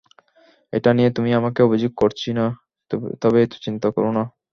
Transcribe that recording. এই নিয়ে তুমি আমাকে অভিযোগ করছি না, তবে এতো চিন্তা করো না।